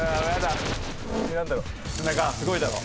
砂川すごいだろ？